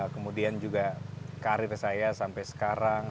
kemudian juga karir saya sampai sekarang